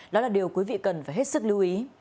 đó là điều quý vị cần phải hết sức lưu ý